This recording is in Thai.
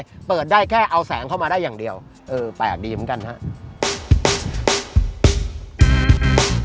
เปิดได้แค่เอาแสงเข้ามาได้อย่างเดียวเออแปลกดีเหมือนกันครับ